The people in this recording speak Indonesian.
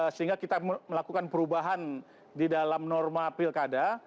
sehingga kita melakukan perubahan di dalam norma pilkada